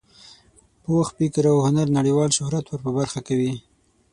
پوخ فکر او هنر نړیوال شهرت ور په برخه کوي.